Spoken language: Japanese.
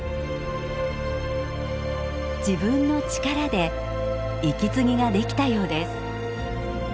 自分の力で息継ぎができたようです。